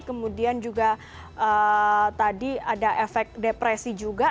kemudian juga tadi ada efek depresi juga